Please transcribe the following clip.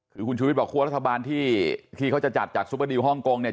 คือคุณชูวิทย์บอกคั่วรัฐบาลที่เขาจะจัดจากซุปเปอร์ดิวฮ่องกงเนี่ย